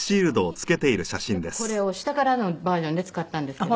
あっだからこれを下からのバージョンで使ったんですけど。